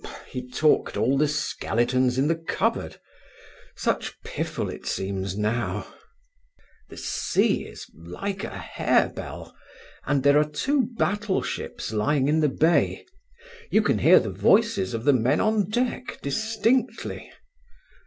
"He talked all the skeletons in the cupboard such piffle it seems, now! The sea is like a harebell, and there are two battleships lying in the bay. You can hear the voices of the men on deck distinctly.